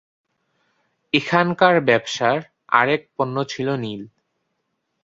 এখানকার ব্যবসার আরেক পণ্য ছিল নীল।